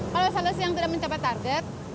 kalau solusi yang tidak mencapai target